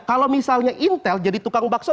kalau misalnya intel jadi tukang bakso